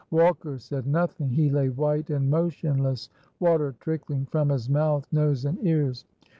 Walker said nothing. He lay white and motionless, water trickling from his mouth, nose and ears.